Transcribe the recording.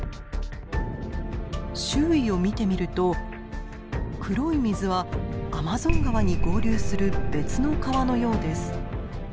周囲を見てみると黒い水はアマゾン川に合流する別の川のようです。